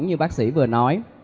như bác sĩ vừa nói